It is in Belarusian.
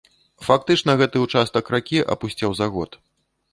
Фактычна гэты ўчастак ракі апусцеў за год.